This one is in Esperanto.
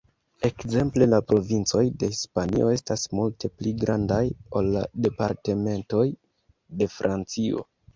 Ekzemple la provincoj de Hispanio estas multe pli grandaj ol la departementoj de Francio.